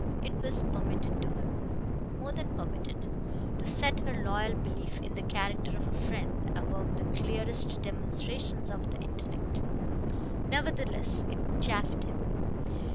It was permitted to her more than permitted to set her loyal belief in the character of a friend above the clearest demonstrations of the intellect. Nevertheless, it chafed him.